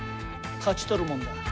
勝ち取るもんだ！